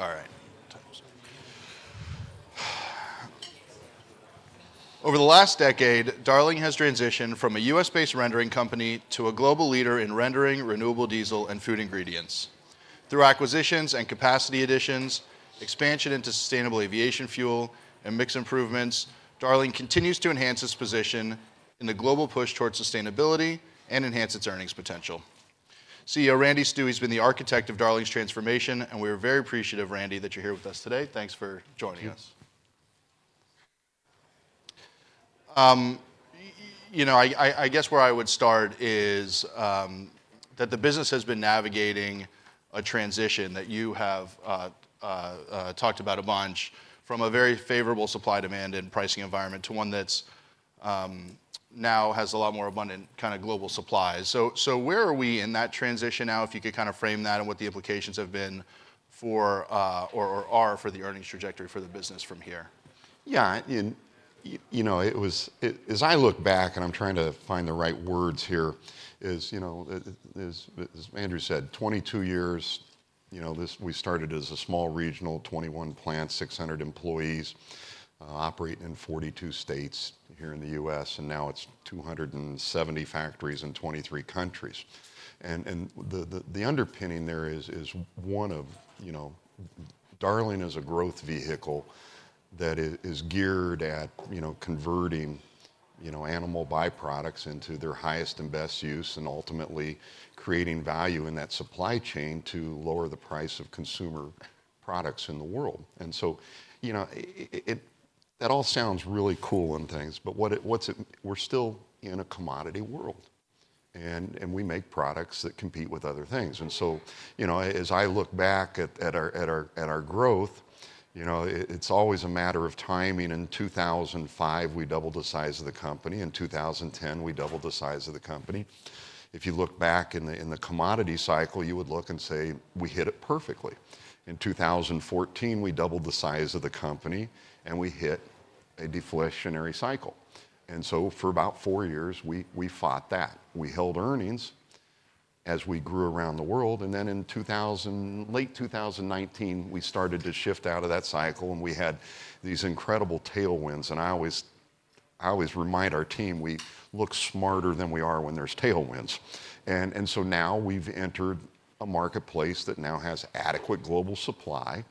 All right. Over the last decade, Darling has transitioned from a U.S.-based rendering company to a global leader in rendering renewable diesel and food ingredients. Through acquisitions and capacity additions, expansion into sustainable aviation fuel, and mix improvements, Darling continues to enhance its position in the global push toward sustainability and enhance its earnings potential. CEO Randy Stuewe has been the architect of Darling's transformation, and we are very appreciative, Randy, that you're here with us today. Thanks for joining us. Thanks. You know, I guess where I would start is that the business has been navigating a transition that you have talked about a bunch, from a very favorable supply, demand, and pricing environment to one that's now has a lot more abundant kind of global supply. So where are we in that transition now? If you could kind of frame that and what the implications have been for or are for the earnings trajectory for the business from here. Yeah, and you know, as I look back, and I'm trying to find the right words here, is, you know, as Andrew said, 22 years. You know, this, we started as a small regional, 21 plants, 600 employees, operating in 42 states here in the U.S., and now it's 270 factories in 23 countries. And the underpinning there is one of, you know, Darling is a growth vehicle that is geared at, you know, converting, you know, animal byproducts into their highest and best use, and ultimately creating value in that supply chain to lower the price of consumer products in the world. And so, you know, I—it, that all sounds really cool and things, but what's it—we're still in a commodity world, and we make products that compete with other things. And so, you know, as I look back at our growth, you know, it's always a matter of timing. In 2005, we doubled the size of the company. In 2010, we doubled the size of the company. If you look back in the commodity cycle, you would look and say we hit it perfectly. In 2014, we doubled the size of the company, and we hit a deflationary cycle. And so for about four years, we fought that. We held earnings as we grew around the world, and then in 2000... Late 2019, we started to shift out of that cycle, and we had these incredible tailwinds. I always, I always remind our team, we look smarter than we are when there's tailwinds. So now we've entered a marketplace that now has adequate global supply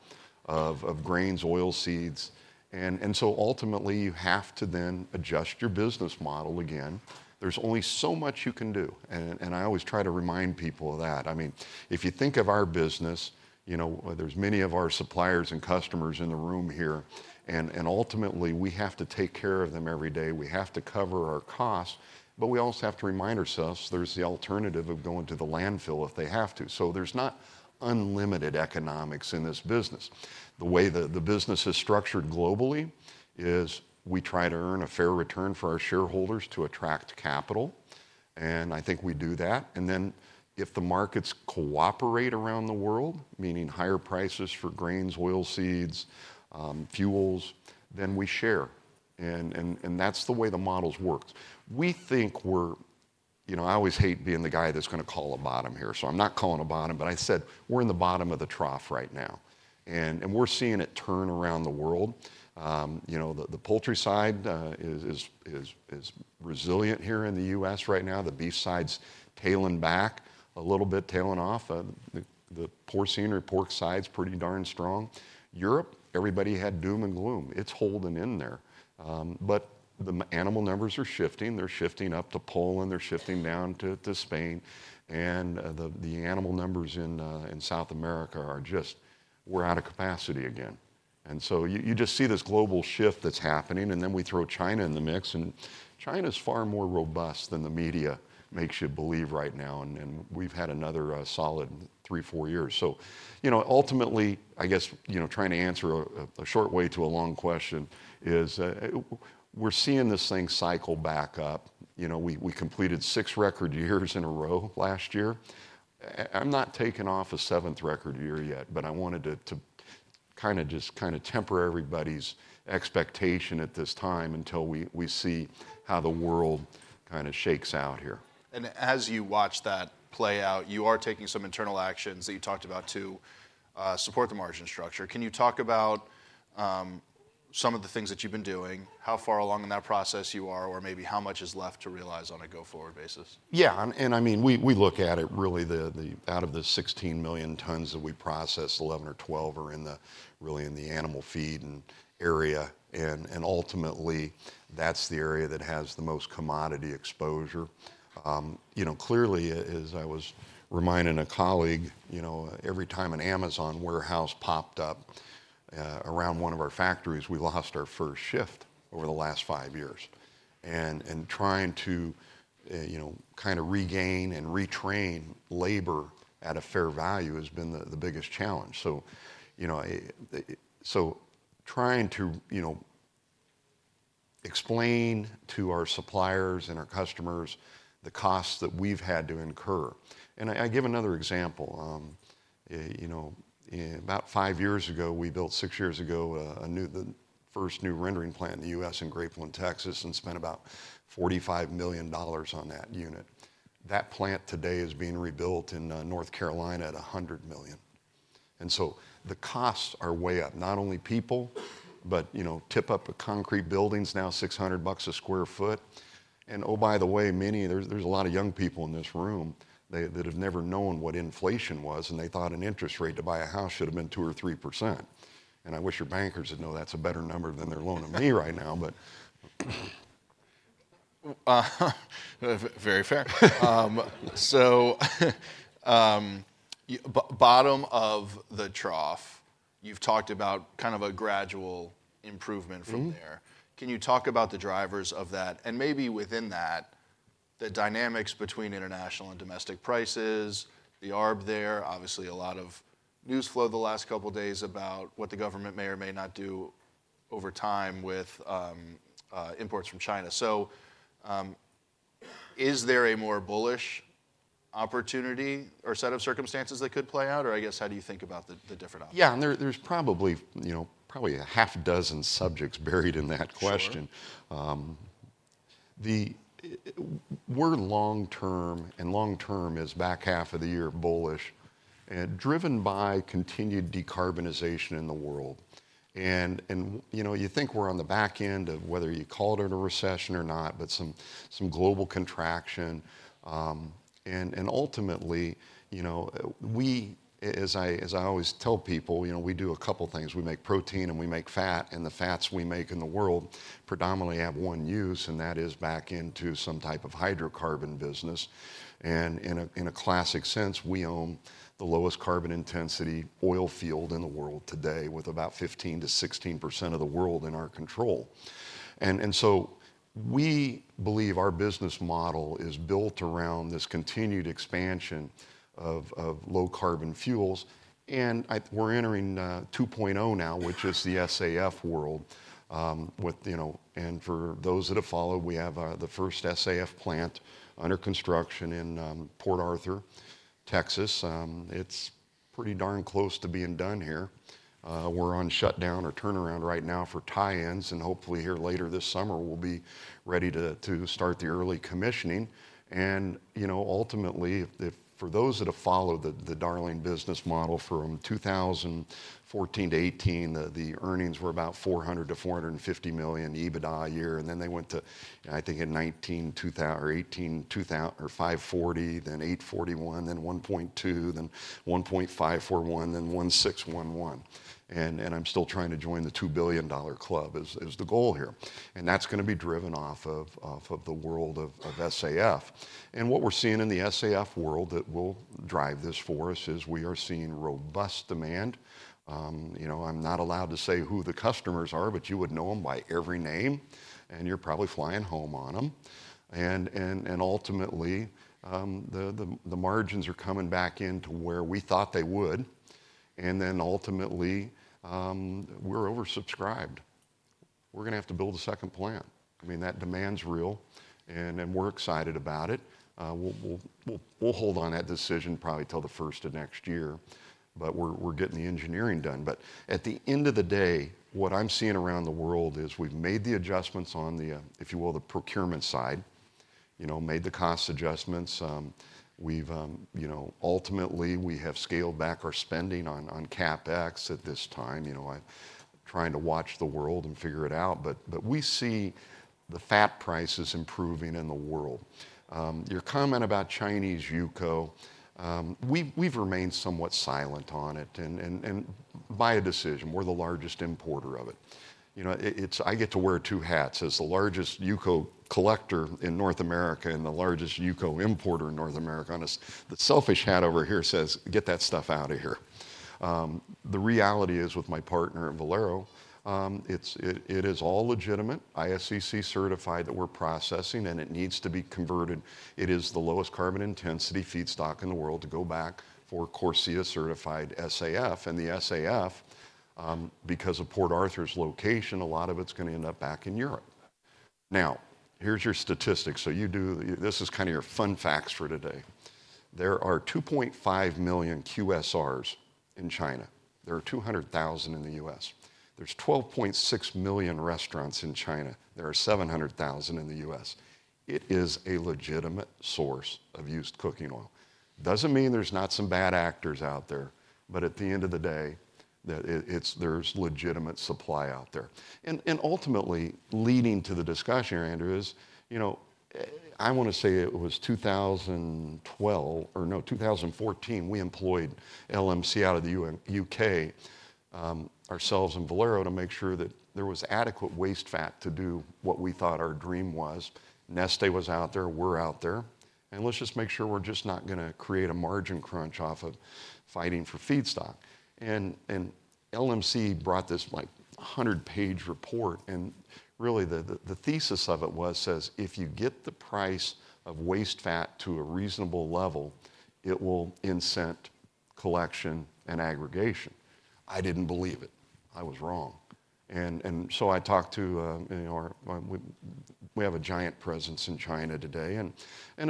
of grains, oilseeds, and so ultimately, you have to then adjust your business model again. There's only so much you can do, and I always try to remind people of that. I mean, if you think of our business, you know, there's many of our suppliers and customers in the room here, and ultimately, we have to take care of them every day. We have to cover our costs, but we also have to remind ourselves there's the alternative of going to the landfill if they have to. So there's not unlimited economics in this business. The way the business is structured globally is we try to earn a fair return for our shareholders to attract capital, and I think we do that. And then if the markets cooperate around the world, meaning higher prices for grains, oilseeds, fuels, then we share, and that's the way the model's worked. We think we're... You know, I always hate being the guy that's gonna call a bottom here, so I'm not calling a bottom, but I said we're in the bottom of the trough right now, and we're seeing it turn around the world. You know, the poultry side is resilient here in the U.S. right now. The beef side's tailing back a little bit, tailing off. The porcine or pork side's pretty darn strong. Europe, everybody had doom and gloom. It's holding in there. But the animal numbers are shifting. They're shifting up to Poland, they're shifting down to Spain, and the animal numbers in South America are just... we're out of capacity again. And so you just see this global shift that's happening, and then we throw China in the mix, and China's far more robust than the media makes you believe right now, and we've had another solid 3-4 years. So, you know, ultimately, I guess, you know, trying to answer a short way to a long question is we're seeing this thing cycle back up. You know, we completed 6 record years in a row last year. I'm not taking off a seventh record year yet, but I wanted to kind of just kind of temper everybody's expectation at this time until we see how the world kind of shakes out here. As you watch that play out, you are taking some internal actions that you talked about to support the margin structure. Can you talk about some of the things that you've been doing, how far along in that process you are, or maybe how much is left to realize on a go-forward basis? Yeah, and I mean, we look at it, really, out of the 16 million tons that we process, 11 or 12 are really in the animal feed area, and ultimately, that's the area that has the most commodity exposure. You know, clearly, as I was reminding a colleague, you know, every time an Amazon warehouse popped up around one of our factories, we lost our first shift over the last five years. And trying to you know, kind of regain and retrain labor at a fair value has been the biggest challenge. So, you know, trying to explain to our suppliers and our customers the costs that we've had to incur. And I give another example. You know, about five years ago, we built, six years ago, a new, the first new rendering plant in the U.S. in Grapeland, Texas, and spent about $45 million on that unit. That plant today is being rebuilt in North Carolina at $100 million. And so the costs are way up. Not only people, but, you know, tip up a concrete building's now $600 a sq ft. And oh, by the way, there's a lot of young people in this room, they that have never known what inflation was, and they thought an interest rate to buy a house should have been 2% or 3%. And I wish your bankers would know that's a better number than they're loaning me right now, but. Very fair. So, bottom of the trough, you've talked about kind of a gradual improvement from there. Mm-hmm. Can you talk about the drivers of that, and maybe within that, the dynamics between international and domestic prices, the arb there? Obviously, a lot of news flow the last couple of days about what the government may or may not do over time with imports from China. So, is there a more bullish opportunity or set of circumstances that could play out? Or I guess, how do you think about the different options? Yeah, and there, there's probably, you know, a half dozen subjects buried in that question. Sure. We're long term, and long term is back half of the year, bullish, and driven by continued decarbonization in the world. And you know, you think we're on the back end of, whether you call it a recession or not, but some global contraction. And ultimately, you know, we, as I always tell people, you know, we do a couple things: we make protein, and we make fat. And the fats we make in the world predominantly have one use, and that is back into some type of hydrocarbon business. And in a classic sense, we own the lowest carbon intensity oil field in the world today, with about 15%-16% of the world in our control. And so we believe our business model is built around this continued expansion of low-carbon fuels, and I... We're entering 2.0 now, which is the SAF world. With you know and for those that have followed, we have the first SAF plant under construction in Port Arthur, Texas. It's pretty darn close to being done here. We're on shutdown or turnaround right now for tie-ins, and hopefully here later this summer, we'll be ready to start the early commissioning. And you know, ultimately, for those that have followed the Darling business model from 2014 to 2018, the earnings were about $400 million-$450 million EBITDA a year. And then they went to, I think, $540, then $841, then $1.2, then $1.541, then $1.611. I'm still trying to join the $2 billion dollar club, is the goal here, and that's gonna be driven off of the world of SAF. What we're seeing in the SAF world that will drive this for us is we are seeing robust demand. You know, I'm not allowed to say who the customers are, but you would know them by every name, and you're probably flying home on them. Ultimately, the margins are coming back in to where we thought they would, and then ultimately, we're oversubscribed. We're gonna have to build a second plant. I mean, that demand's real, and we're excited about it. We'll hold on that decision probably till the first of next year, but we're getting the engineering done. But at the end of the day, what I'm seeing around the world is we've made the adjustments on the, if you will, the procurement side. You know, made the cost adjustments. You know, ultimately, we have scaled back our spending on CapEx at this time. You know, I'm trying to watch the world and figure it out, but we see the fat prices improving in the world. Your comment about Chinese UCO, we've remained somewhat silent on it, and by a decision, we're the largest importer of it. You know, it. It's- I get to wear two hats. As the largest UCO collector in North America and the largest UCO importer in North America, and this, the selfish hat over here says, "Get that stuff out of here." The reality is, with my partner at Valero, it is all legitimate, ISCC-certified, that we're processing, and it needs to be converted. It is the lowest carbon intensity feedstock in the world to go back for CORSIA-certified SAF. And the SAF, because of Port Arthur's location, a lot of it's gonna end up back in Europe. Now, here's your statistics. This is kind of your fun facts for today. There are 2.5 million QSRs in China. There are 200,000 in the U.S. There's 12.6 million restaurants in China. There are 700,000 in the U.S. It is a legitimate source of used cooking oil. Doesn't mean there's not some bad actors out there, but at the end of the day, it's legitimate supply out there. And ultimately, leading to the discussion here, Andrew, is, you know, I want to say it was 2012, or no, 2014, we employed LMC out of the U.K., ourselves and Valero, to make sure that there was adequate waste fat to do what we thought our dream was. Neste was out there. We're out there, and let's just make sure we're just not gonna create a margin crunch off of fighting for feedstock. And LMC brought this, like, 100-page report, and really, the thesis of it was, says: "If you get the price of waste fat to a reasonable level, it will incent collection and aggregation." I didn't believe it. I was wrong. I talked to, you know, our... we have a giant presence in China today, and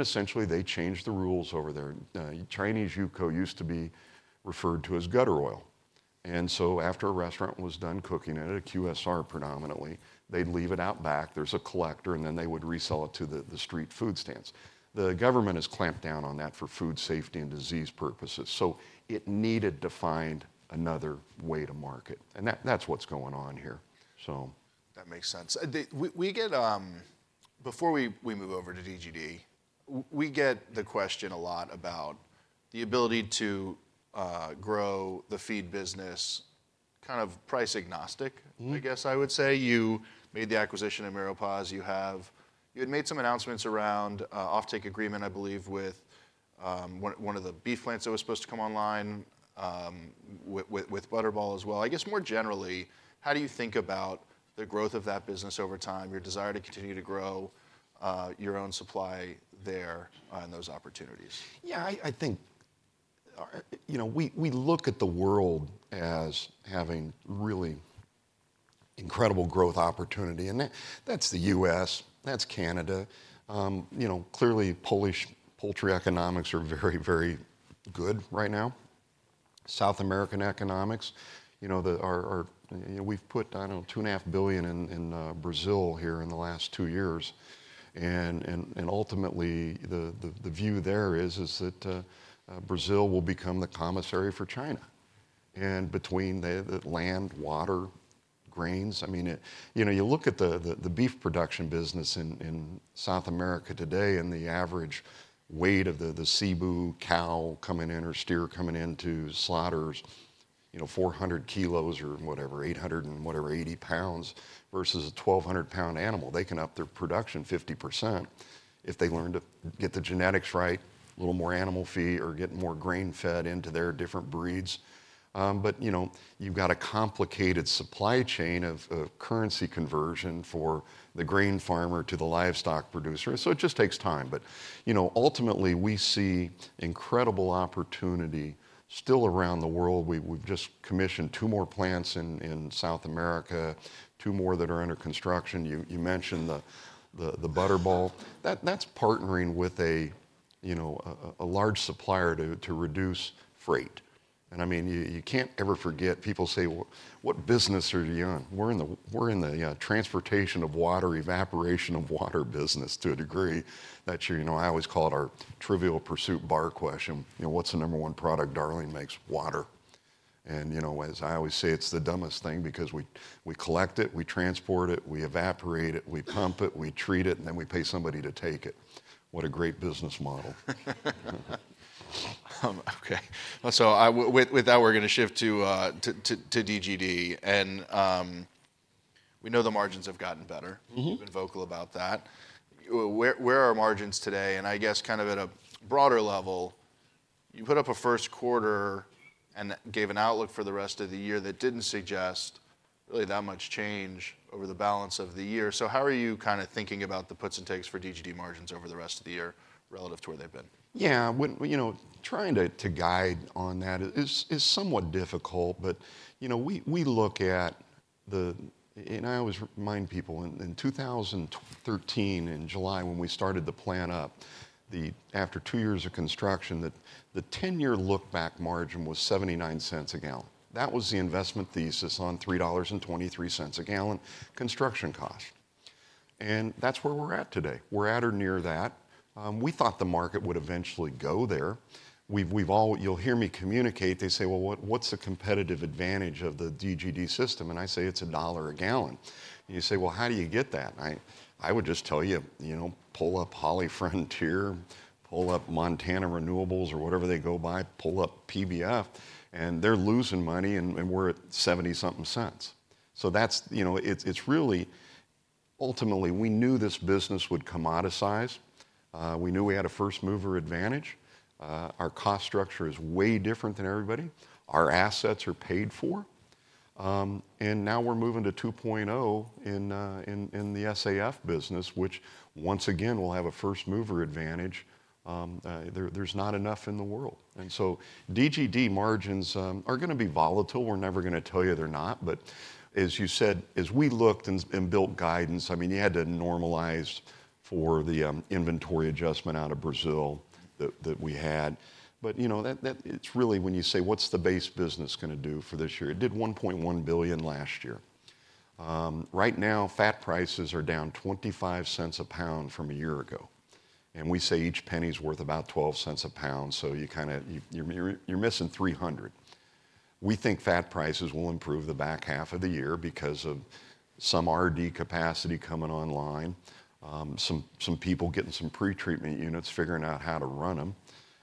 essentially, they changed the rules over there. Chinese UKO used to be referred to as gutter oil. And so after a restaurant was done cooking it, at a QSR predominantly, they'd leave it out back, there's a collector, and then they would resell it to the street food stands. The government has clamped down on that for food safety and disease purposes, so it needed to find another way to market, and that, that's what's going on here, so. That makes sense. Before we move over to DGD, we get the question a lot about the ability to grow the feed business, kind of price agnostic- Mm-hmm... I guess I would say. You made the acquisition of Miropasz. You have- you had made some announcements around a offtake agreement, I believe, with one, one of the beef plants that was supposed to come online with, with Butterball as well. I guess more generally, how do you think about the growth of that business over time, your desire to continue to grow your own supply there, and those opportunities? Yeah, I think, you know, we look at the world as having really incredible growth opportunity, and that- that's the U.S., that's Canada. You know, clearly Polish poultry economics are very, very good right now. South American economics, you know, are. You know, we've put, I don't know, $2.5 billion in Brazil here in the last two years, and ultimately, the view there is that Brazil will become the commissary for China. And between the land, water, grains, I mean, it. You know, you look at the beef production business in South America today, and the average weight of the Zebu cow coming in, or steer coming into slaughters, you know, 400 kilos or whatever, 800 and whatever, 80 pounds, versus a 1,200-pound animal. They can up their production 50% if they learn to get the genetics right, a little more animal feed, or get more grain fed into their different breeds. But you know, you've got a complicated supply chain of currency conversion for the grain farmer to the livestock producer, so it just takes time. But you know, ultimately, we see incredible opportunity still around the world. We've just commissioned two more plants in South America, two more that are under construction. You mentioned the Butterball. That's partnering with a, you know, a large supplier to reduce freight, and I mean, you can't ever forget... People say, "What business are you in?" We're in the we're in the transportation of water, evaporation of water business to a degree. That year, you know, I always call it our Trivial Pursuit bar question, you know, "What's the number one product Darling makes?" "Water." And, you know, as I always say, it's the dumbest thing because we, we collect it, we transport it, we evaporate it, we pump it, we treat it, and then we pay somebody to take it. What a great business model. Okay. So with that, we're going to shift to DGD, and we know the margins have gotten better. Mm-hmm. You've been vocal about that. Where, where are margins today? And I guess kind of at a broader level, you put up a first quarter, and that gave an outlook for the rest of the year, that didn't suggest really that much change over the balance of the year. So how are you kind of thinking about the puts and takes for DGD margins over the rest of the year relative to where they've been? Yeah. When, you know, trying to guide on that is somewhat difficult, but, you know, we look at the... And I always remind people, in 2013, in July, when we started the plant up, the, after 2 years of construction, that the 10-year look-back margin was $0.79 a gallon. That was the investment thesis on $3.23 a gallon construction cost, and that's where we're at today. We're at or near that. We thought the market would eventually go there. You'll hear me communicate, they say, "Well, what, what's the competitive advantage of the DGD system?" And I say, "It's $1 a gallon." You say, "Well, how do you get that?" I would just tell you, you know, pull up Holly Frontier, pull up Montana Renewables, or whatever they go by, pull up PBF, and they're losing money, and we're at $0.70-something. So that's, you know, it's really... Ultimately, we knew this business would commoditize. We knew we had a first-mover advantage. Our cost structure is way different than everybody. Our assets are paid for. And now we're moving to 2.0 in the SAF business, which once again, will have a first-mover advantage. There's not enough in the world. And so DGD margins are gonna be volatile. We're never gonna tell you they're not, but as you said, as we looked and built guidance, I mean, you had to normalize for the inventory adjustment out of Brazil that we had. But, you know, that- it's really when you say, "What's the base business gonna do for this year?" It did $1.1 billion last year. Right now, fat prices are down $0.25 a pound from a year ago, and we say each penny's worth about $0.12 a pound, so you kind of... You're missing $300 million. We think fat prices will improve the back half of the year because of some RD capacity coming online, some people getting some pre-treatment units, figuring out how to run them,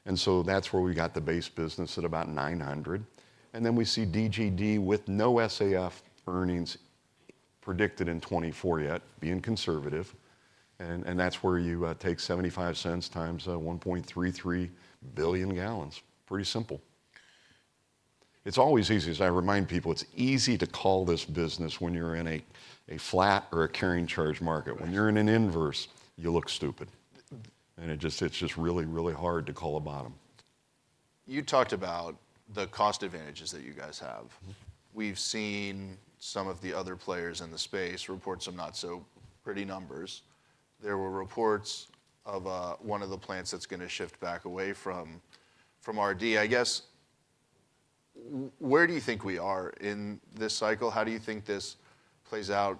and so that's where we got the base business at about $900 million. And then we see DGD with no SAF earnings predicted in 2024 yet, being conservative, and that's where you take $0.75 × 1.33 billion gallons. Pretty simple. It's always easy, as I remind people, it's easy to call this business when you're in a flat or a carrying charge market. When you're in an inverse, you look stupid- Mm... and it just, it's just really, really hard to call a bottom. You talked about the cost advantages that you guys have. Mm. We've seen some of the other players in the space report some not so pretty numbers. There were reports of one of the plants that's gonna shift back away from RD. I guess, where do you think we are in this cycle? How do you think this plays out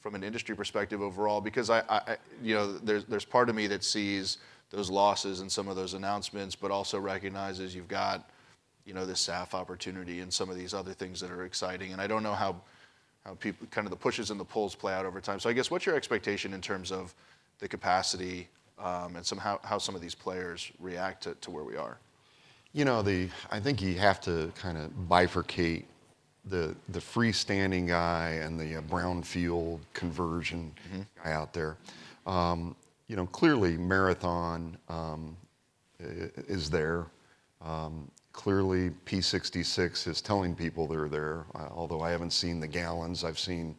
from an industry perspective overall? Because I, you know, there's part of me that sees those losses and some of those announcements, but also recognizes you've got, you know, this SAF opportunity and some of these other things that are exciting, and I don't know how kind of the pushes and the pulls play out over time. So I guess, what's your expectation in terms of the capacity, and how some of these players react to where we are? You know, I think you have to kinda bifurcate the freestanding guy and the brownfield conversion- Mm-hmm - guy out there. You know, clearly, Marathon is there. Clearly, Phillips 66 is telling people they're there, although I haven't seen the gallons, I've seen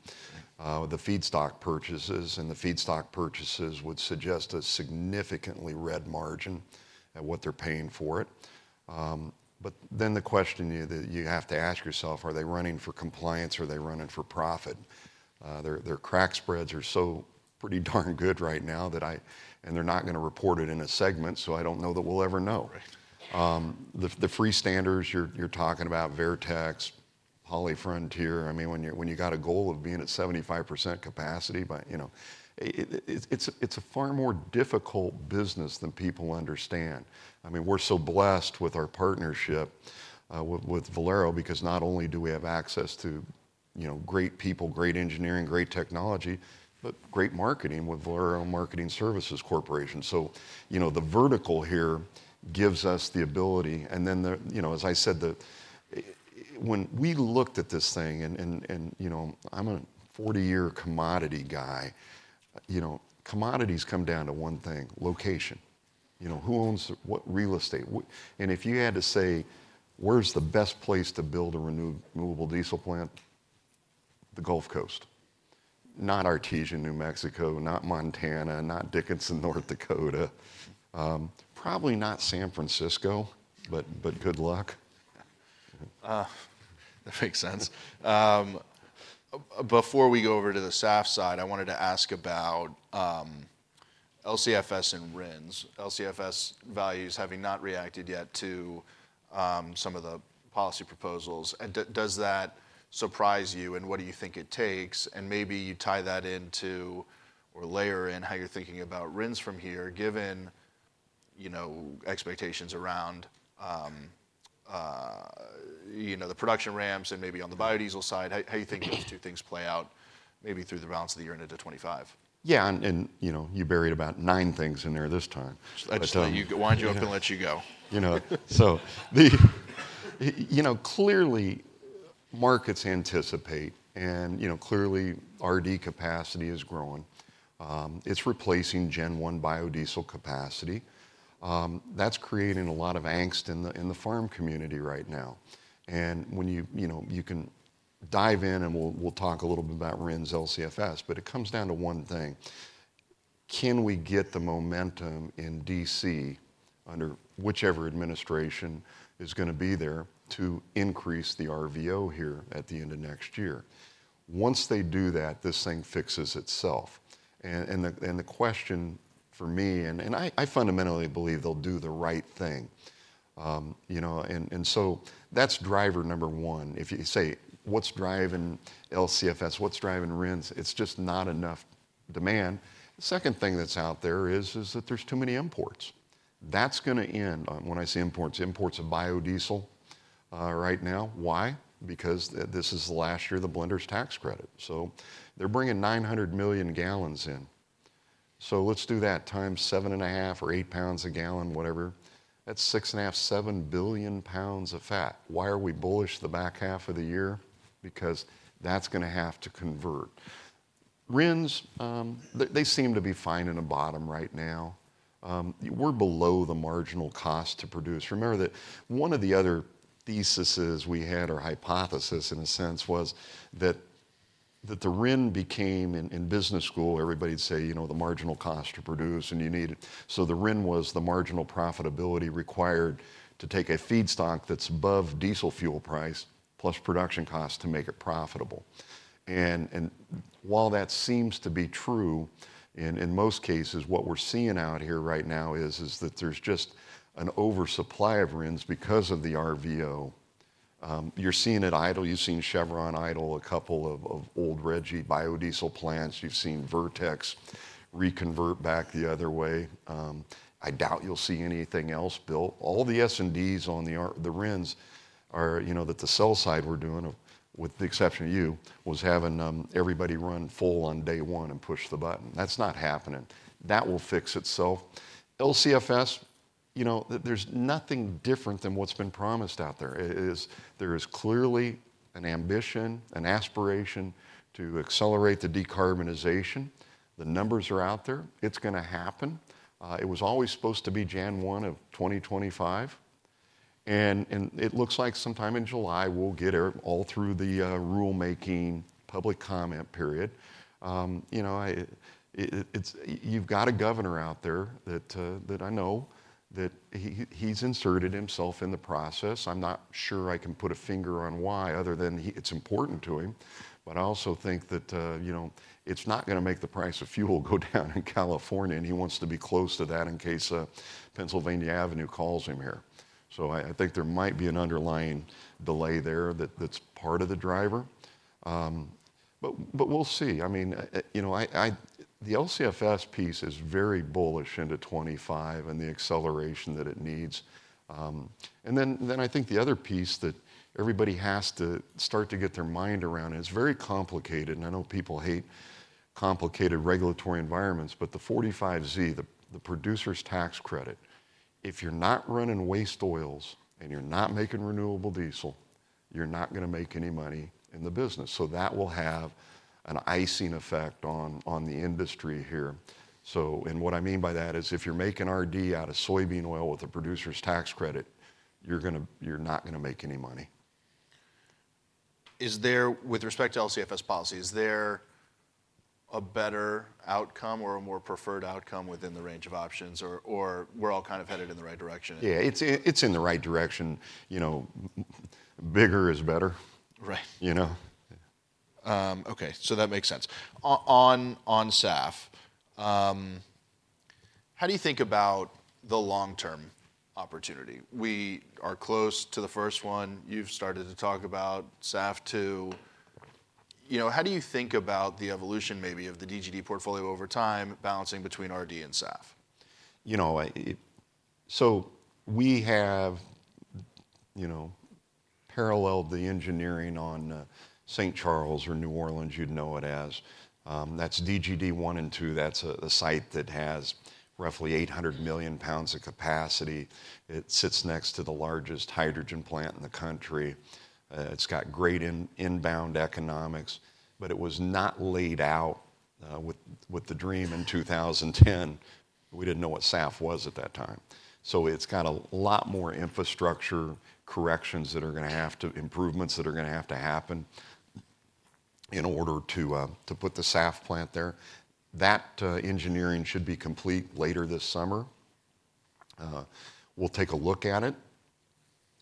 the feedstock purchases, and the feedstock purchases would suggest a significantly red margin at what they're paying for it. But then the question that you have to ask yourself, are they running for compliance, or are they running for profit? Their crack spreads are so pretty darn good right now that I... And they're not gonna report it in a segment, so I don't know that we'll ever know. Right. The freestanders, you're talking about Vertex, HollyFrontier. I mean, when you got a goal of being at 75% capacity, you know. It's a far more difficult business than people understand. I mean, we're so blessed with our partnership with Valero because not only do we have access to, you know, great people, great engineering, great technology, but great marketing with Valero Marketing Services Corporation. So, you know, the vertical here gives us the ability, and then the, you know, as I said, the. When we looked at this thing, and, and, you know, I'm a 40-year commodity guy, you know, commodities come down to one thing: location. You know, who owns what real estate? And if you had to say, where's the best place to build a renewable diesel plant? The Gulf Coast. Not Artesia, New Mexico, not Montana, not Dickinson, North Dakota. Probably not San Francisco, but, but good luck. Yeah. That makes sense. Before we go over to the SAF side, I wanted to ask about LCFS and RINs. LCFS values having not reacted yet to some of the policy proposals. And does that surprise you, and what do you think it takes? And maybe you tie that into or layer in how you're thinking about RINs from here, given, you know, expectations around the production ramps and maybe on the biodiesel side. How do you think those two things play out maybe through the balance of the year into 2025? Yeah, and, you know, you buried about nine things in there this time. But- I just thought you... wind you up and let you go. You know, so you know, clearly markets anticipate, and, you know, clearly RD capacity is growing. It's replacing Gen 1 biodiesel capacity. That's creating a lot of angst in the farm community right now. And when you, you know, you can dive in, and we'll talk a little bit about RINs, LCFS, but it comes down to one thing: Can we get the momentum in D.C. under whichever administration is gonna be there to increase the RVO here at the end of next year? Once they do that, this thing fixes itself. And the question for me, I fundamentally believe they'll do the right thing. You know, and so that's driver number one. If you say, "What's driving LCFS? What's driving RINs?" It's just not enough demand. The second thing that's out there is that there's too many imports. That's gonna end. When I say imports, imports of biodiesel right now. Why? Because this is the last year of the Blenders Tax Credit, so they're bringing 900 million gallons in. So let's do that times 7.5 or 8 pounds a gallon, whatever, that's 6.5, 7 billion pounds of fat. Why are we bullish the back half of the year? Because that's gonna have to convert. RINs, they seem to be finding a bottom right now. We're below the marginal cost to produce. Remember that one of the other theses we had, or hypothesis in a sense, was that the RIN became. In business school, everybody'd say, you know, the marginal cost to produce, and you need it. So the RIN was the marginal profitability required to take a feedstock that's above diesel fuel price plus production cost to make it profitable. And while that seems to be true, in most cases what we're seeing out here right now is that there's just an oversupply of RINs because of the RVO. You're seeing it idle. You've seen Chevron idle a couple of old Reggie biodiesel plants. You've seen Vertex reconvert back the other way. I doubt you'll see anything else built. All the S&Ds on the R- the RINs are, you know, that the sell side were doing, with the exception of you, was having everybody run full on day one and push the button. That's not happening. That will fix itself. LCFS, you know, there's nothing different than what's been promised out there. Is there clearly an ambition, an aspiration, to accelerate the decarbonization. The numbers are out there. It's gonna happen. It was always supposed to be January 1, 2025, and it looks like sometime in July we'll get it all through the rulemaking public comment period. You know, you've got a governor out there that I know, that he, he's inserted himself in the process. I'm not sure I can put a finger on why, other than it's important to him, but I also think that, you know, it's not gonna make the price of fuel go down in California, and he wants to be close to that in case Pennsylvania Avenue calls him here. So I think there might be an underlying delay there that's part of the driver. But we'll see. I mean, you know, the LCFS piece is very bullish into 2025, and the acceleration that it needs. And then I think the other piece that everybody has to start to get their mind around, and it's very complicated, and I know people hate complicated regulatory environments. But the 45Z, the producer's tax credit, if you're not running waste oils, and you're not making renewable diesel, you're not gonna make any money in the business, so that will have a chilling effect on the industry here. So. And what I mean by that is, if you're making RD out of soybean oil with a producer's tax credit, you're not gonna make any money. With respect to LCFS policy, is there a better outcome or a more preferred outcome within the range of options, or we're all kind of headed in the right direction? Yeah, it's in, it's in the right direction. You know, bigger is better. Right. You know? Yeah. Okay, so that makes sense. On SAF, how do you think about the long-term opportunity? We are close to the first one. You've started to talk about SAF 2. You know, how do you think about the evolution maybe of the DGD portfolio over time, balancing between RD and SAF? You know, so we have, you know, paralleled the engineering on St. Charles or New Orleans, you'd know it as. That's DGD 1 and 2. That's a site that has roughly 800 million pounds of capacity. It sits next to the largest hydrogen plant in the country. It's got great inbound economics, but it was not laid out with the dream in 2010. We didn't know what SAF was at that time. So it's got a lot more infrastructure corrections that are gonna have to... improvements that are gonna have to happen in order to put the SAF plant there. That engineering should be complete later this summer. We'll take a look at it.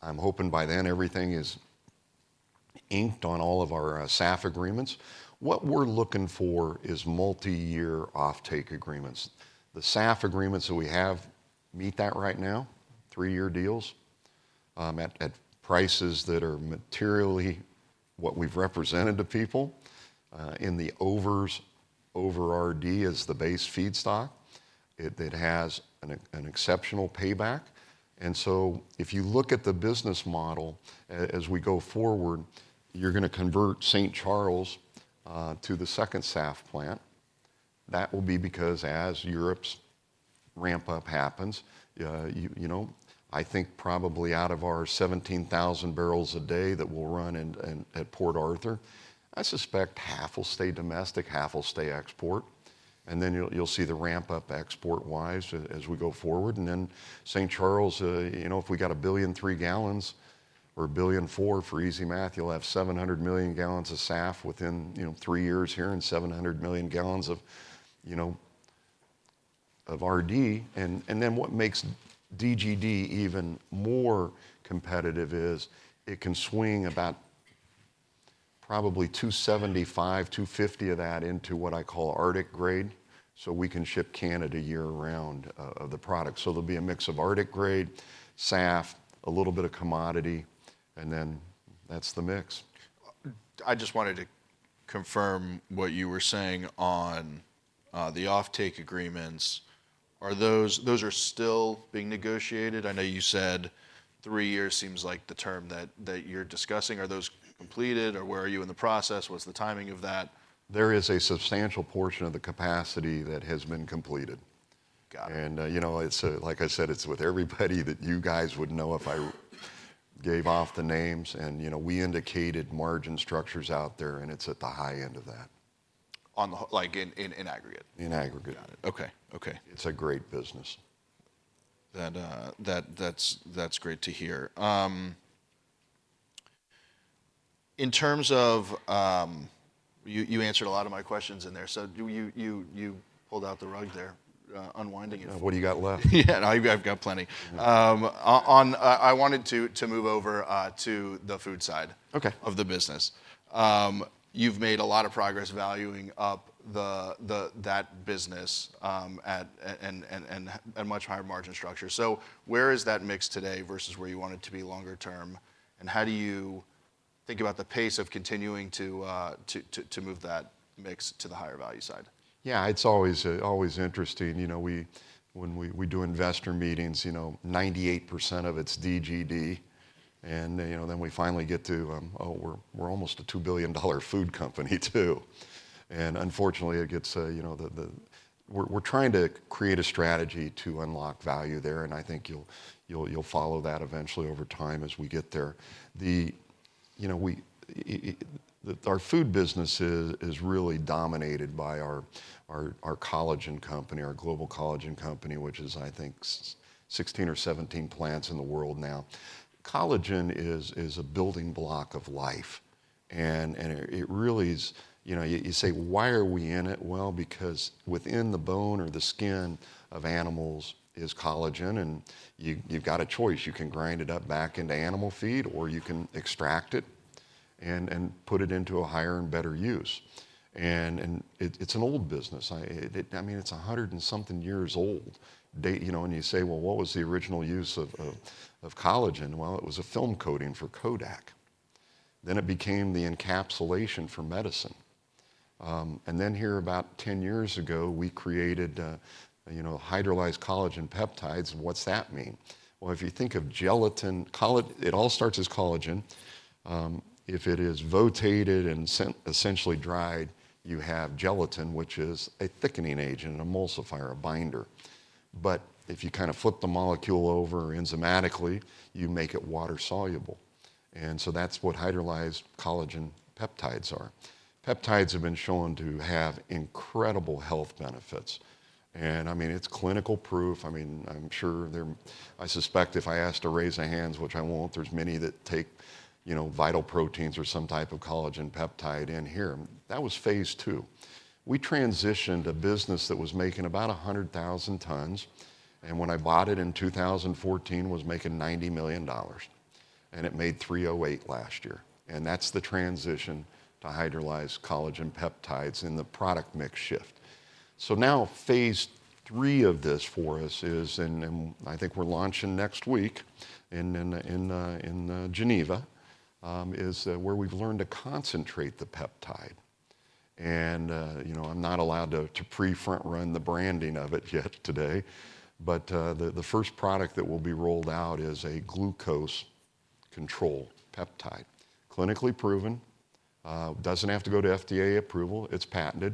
I'm hoping by then everything is inked on all of our SAF agreements. What we're looking for is multi-year offtake agreements. The SAF agreements that we have meet that right now, three-year deals, at prices that are materially what we've represented to people, in the over RD as the base feedstock. It has an exceptional payback, and so if you look at the business model as we go forward, you're gonna convert St. Charles to the second SAF plant. That will be because as Europe's ramp up happens, you know, I think probably out of our 17,000 barrels a day that we'll run in at Port Arthur, I suspect half will stay domestic, half will stay export, and then you'll see the ramp up export-wise as we go forward. And then St. Charles, you know, if we got 1.3 billion gallons or 1.4 billion, for easy math, you'll have 700 million gallons of SAF within, you know, three years here, and 700 million gallons of, you know, of RD. And then what makes DGD even more competitive is it can swing about probably 275, 250 of that into what I call Arctic Grade, so we can ship Canada year-round, the product. So there'll be a mix of Arctic Grade, SAF, a little bit of commodity, and then that's the mix. I just wanted to confirm what you were saying on the offtake agreements. Are those... Those are still being negotiated? I know you said three years seems like the term that you're discussing. Are those completed, or where are you in the process? What's the timing of that? There is a substantial portion of the capacity that has been completed. Got it. You know, it's like I said, it's with everybody that you guys would know if I gave off the names. You know, we indicated margin structures out there, and it's at the high end of that. On the whole—like, in aggregate? In aggregate. Got it. Okay, okay. It's a great business. That's great to hear. In terms of... You answered a lot of my questions in there, so you pulled out the rug there, unwinding it. What do you got left? Yeah, no, I've got plenty. Yeah. I wanted to move over to the food side. Okay... of the business. You've made a lot of progress valuing up the, the, that business at and at much higher margin structure. So where is that mix today versus where you want it to be longer term, and how do you think about the pace of continuing to move that mix to the higher value side? Yeah, it's always, always interesting. You know, when we do investor meetings, you know, 98% of it's DGD, and, you know, then we finally get to, "Oh, we're almost a $2 billion food company, too." And unfortunately, it gets, you know, the... We're trying to create a strategy to unlock value there, and I think you'll follow that eventually over time as we get there. You know, our food business is really dominated by our collagen company, our global collagen company, which is, I think, 16 or 17 plants in the world now. Collagen is a building block of life, and it really is-... You know, you say, "Why are we in it?" Well, because within the bone or the skin of animals is collagen, and you've got a choice. You can grind it up back into animal feed, or you can extract it and put it into a higher and better use. And it's an old business. I mean, it's 100 and something years old. You know, and you say, "Well, what was the original use of collagen?" Well, it was a film coating for Kodak. Then it became the encapsulation for medicine. And then here, about 10 years ago, we created, you know, hydrolyzed collagen peptides, and what's that mean? Well, if you think of gelatin, it all starts as collagen. If it is hydrolyzed and then essentially dried, you have gelatin, which is a thickening agent, an emulsifier, a binder. But if you kind of flip the molecule over enzymatically, you make it water-soluble, and so that's what hydrolyzed collagen peptides are. Peptides have been shown to have incredible health benefits, and, I mean, it's clinical proof. I mean, I'm sure I suspect if I asked to raise the hands, which I won't, there's many that take, you know, Vital Proteins or some type of collagen peptide in here. That was phase two. We transitioned a business that was making about 100,000 tons, and when I bought it in 2014, was making $90 million, and it made $308 million last year, and that's the transition to hydrolyzed collagen peptides and the product mix shift. So now, phase three of this for us is, and I think we're launching next week in Geneva, is where we've learned to concentrate the peptide. And, you know, I'm not allowed to pre-front run the branding of it yet today, but the first product that will be rolled out is a glucose control peptide. Clinically proven, doesn't have to go to FDA approval, it's patented,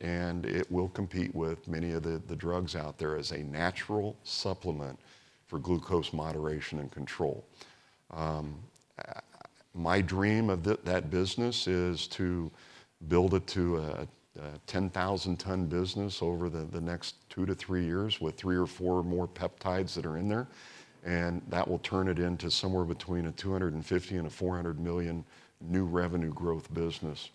and it will compete with many of the drugs out there as a natural supplement for glucose moderation and control. My dream of that business is to build it to a 10,000-ton business over the next two to three years, with three or four more peptides that are in there, and that will turn it into somewhere between $250 million-$400 million new revenue growth business.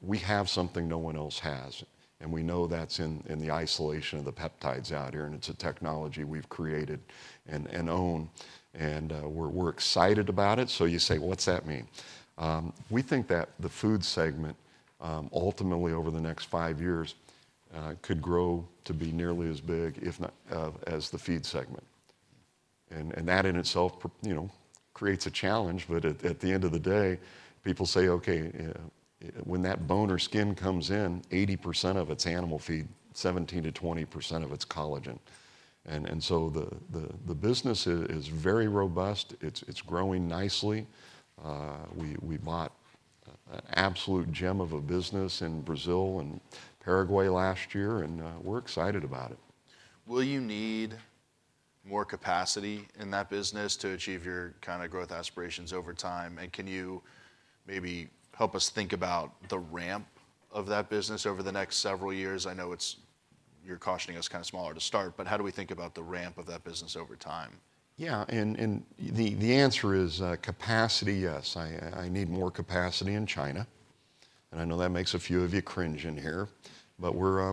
We have something no one else has, and we know that's in the isolation of the peptides out here, and it's a technology we've created and own, and we're excited about it. So you say, "What's that mean?" We think that the food segment ultimately over the next five years could grow to be nearly as big, if not, as the feed segment. And that in itself, you know, creates a challenge, but at the end of the day, people say, "Okay..." When that bone or skin comes in, 80% of it's animal feed, 17%-20% of it's collagen, and so the business is very robust. It's growing nicely. We bought an absolute gem of a business in Brazil and Paraguay last year, and we're excited about it. Will you need more capacity in that business to achieve your kind of growth aspirations over time? And can you maybe help us think about the ramp of that business over the next several years? I know it's... You're cautioning us kind of smaller to start, but how do we think about the ramp of that business over time? Yeah, the answer is capacity, yes. I need more capacity in China, and I know that makes a few of you cringe in here, but we're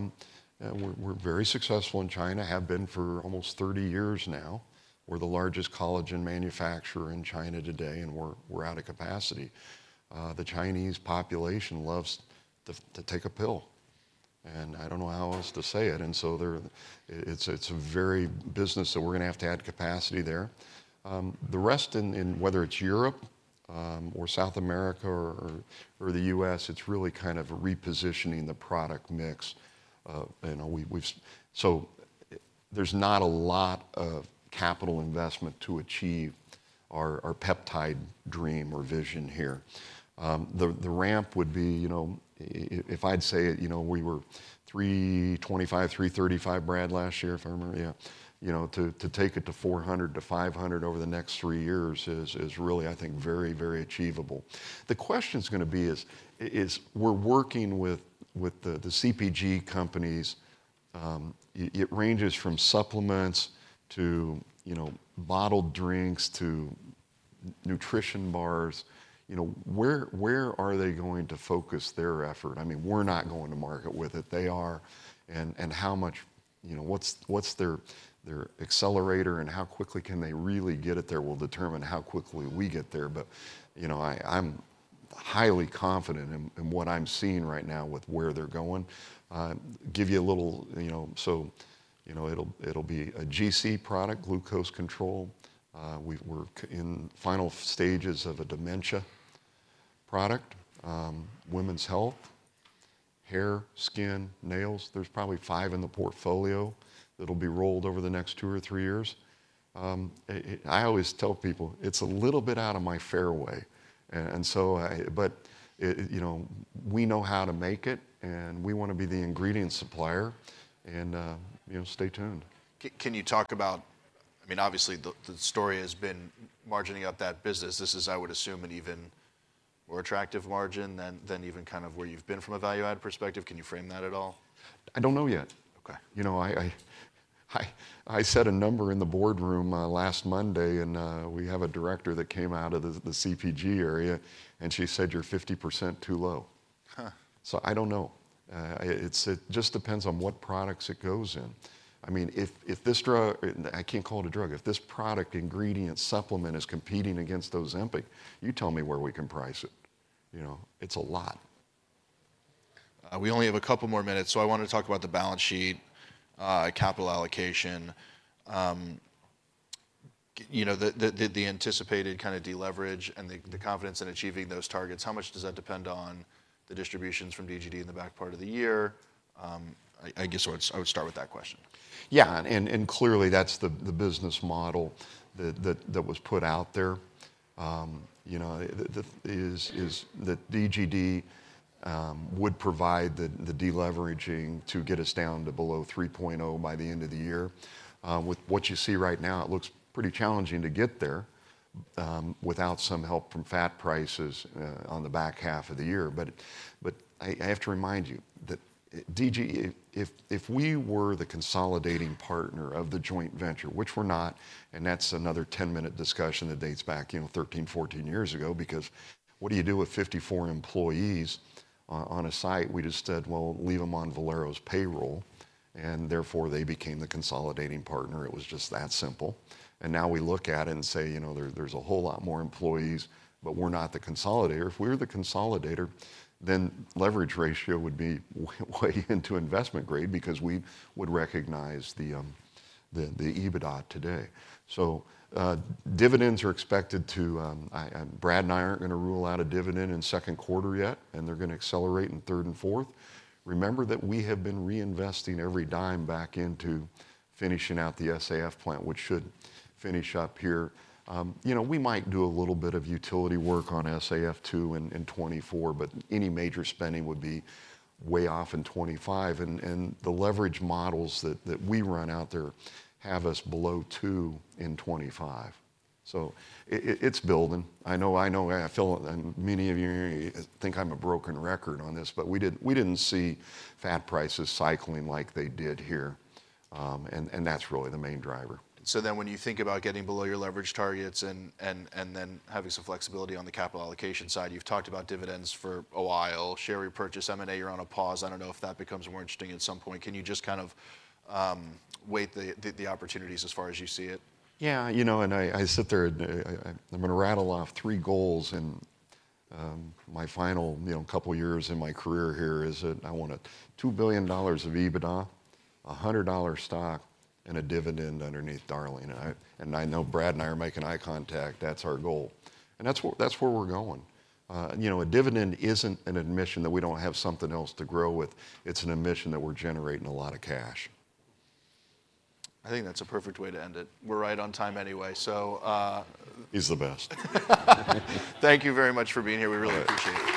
very successful in China, have been for almost 30 years now. We're the largest collagen manufacturer in China today, and we're out of capacity. The Chinese population loves to take a pill, and I don't know how else to say it, and so they're... It's a very business that we're gonna have to add capacity there. The rest in whether it's Europe, or South America or the US, it's really kind of repositioning the product mix. You know, we've so there's not a lot of capital investment to achieve our peptide dream or vision here. The ramp would be, you know, if I'd say it, you know, we were 325, 335, Brad, last year, if I remember. Yeah. You know, to take it to 400, to 500 over the next three years is really, I think, very, very achievable. The question's gonna be is we're working with the CPG companies. It ranges from supplements to, you know, bottled drinks to nutrition bars. You know, where are they going to focus their effort? I mean, we're not going to market with it, they are, and how much... You know, what's their accelerator and how quickly can they really get it there will determine how quickly we get there. But, you know, I, I'm highly confident in what I'm seeing right now with where they're going. Give you a little, you know. So, you know, it'll be a GC product, glucose control. We're in final stages of a dementia product, women's health, hair, skin, nails. There's probably five in the portfolio that'll be rolled over the next two or three years. It, I always tell people, "It's a little bit out of my fairway," and so I. But it, you know, we know how to make it, and we wanna be the ingredient supplier, and, you know, stay tuned. Can you talk about... I mean, obviously, the story has been margining out that business. This is, I would assume, an even more attractive margin than, than even kind of where you've been from a value-add perspective. Can you frame that at all? I don't know yet. Okay. You know, I set a number in the boardroom last Monday, and we have a director that came out of the CPG area, and she said, "You're 50% too low. Huh! I don't know. It's, it just depends on what products it goes in. I mean, if this drug... I can't call it a drug. If this product, ingredient, supplement is competing against Ozempic, you tell me where we can price it. You know, it's a lot. We only have a couple more minutes, so I want to talk about the balance sheet, capital allocation. You know, the anticipated kind of deleverage and the confidence in achieving those targets, how much does that depend on the distributions from DGD in the back part of the year? I guess I would start with that question. Yeah, and clearly, that's the business model that was put out there. You know, is that DGD would provide the deleveraging to get us down to below 3.0 by the end of the year. With what you see right now, it looks pretty challenging to get there, without some help from fat prices, on the back half of the year. But I have to remind you that DG... If we were the consolidating partner of the joint venture, which we're not, and that's another 10-minute discussion that dates back, you know, 13, 14 years ago, because what do you do with 54 employees on a site? We just said, "Well, leave them on Valero's payroll," and therefore, they became the consolidating partner. It was just that simple. Now we look at it and say, you know, there, there's a whole lot more employees, but we're not the consolidator. If we were the consolidator, then leverage ratio would be way into investment grade because we would recognize the EBITDA today. So, dividends are expected to... I, Brad and I aren't gonna rule out a dividend in second quarter yet, and they're gonna accelerate in third and fourth. Remember that we have been reinvesting every dime back into finishing out the SAF plant, which should finish up here. You know, we might do a little bit of utility work on SAF 2 in 2024, but any major spending would be way off in 2025, and the leverage models that we run out there have us below 2 in 2025. So it's building. I know, I know, I feel, and many of you think I'm a broken record on this, but we didn't, we didn't see fat prices cycling like they did here. And that's really the main driver. So then when you think about getting below your leverage targets and then having some flexibility on the capital allocation side, you've talked about dividends for a while, share repurchase, M&A, you're on a pause. I don't know if that becomes more interesting at some point. Can you just kind of weigh the opportunities as far as you see it? Yeah, you know, and I, I, I'm gonna rattle off three goals in my final, you know, couple of years in my career here is that I want $2 billion of EBITDA, a $100 stock, and a dividend underneath Darling. I... And I know Brad and I are making eye contact. That's our goal, and that's where, that's where we're going. You know, a dividend isn't an admission that we don't have something else to grow with. It's an admission that we're generating a lot of cash. I think that's a perfect way to end it. We're right on time anyway, so, He's the best. Thank you very much for being here. All right. We really appreciate it.